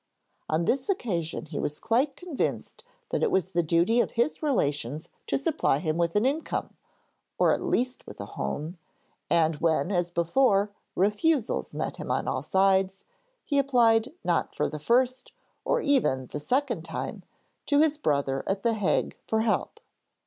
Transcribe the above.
On this occasion he was quite convinced that it was the duty of his relations to supply him with an income, or at least with a home, and when as before refusals met him on all sides, he applied not for the first or even the second time, to his brother at the Hague for help.